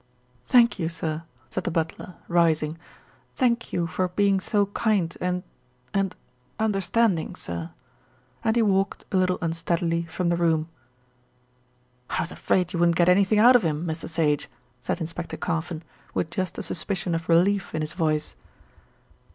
"Thank you, sir," said the butler, rising. "Thank you for being so kind, and and understanding, sir," and he walked a little unsteadily from the room. "I was afraid you wouldn't get anything out of him, Mr. Sage," said Inspector Carfon, with just a suspicion of relief in his voice.